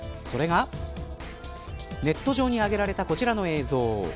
それがネット上に上げられたこちらの映像。